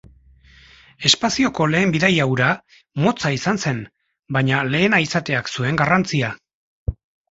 Espazioko lehen bidaia hura motza izan zen baina lehena izateak zuen garrantzia.